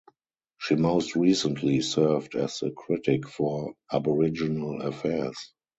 She most recently served as the Critic for Aboriginal Affairs.